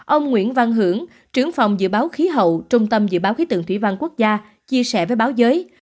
ông nguyễn văn hưởng trưởng phòng dự báo khí hậu trung tâm dự báo khí tượng thủy văn quốc gia chia sẻ với báo giới